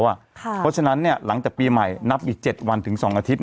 เพราะฉะนั้นหลังจากปีใหม่นับอีก๗วันถึง๒อาทิตย